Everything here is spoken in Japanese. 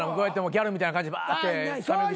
ギャルみたいな感じでバーってタメ口。